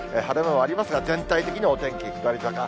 晴れ間もありますが、全体的にはお天気下り坂。